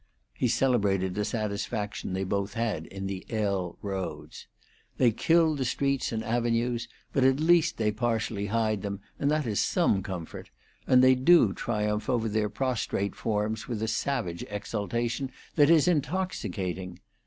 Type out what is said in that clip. He celebrated a satisfaction they both had in the L roads. "They kill the streets and avenues, but at least they partially hide them, and that is some comfort; and they do triumph over their prostrate forms with a savage exultation that is intoxicating.